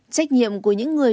trách nhiệm của những người